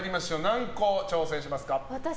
何個挑戦しますか？